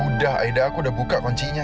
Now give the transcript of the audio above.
udah aida aku udah buka kuncinya